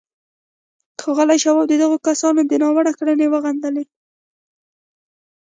ښاغلي شواب د دغو کسانو دا ناوړه کړنې وغندلې